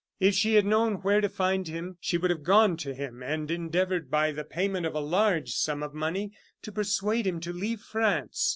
If she had known where to find him, she would have gone to him, and endeavored, by the payment of a large sum of money, to persuade him to leave France.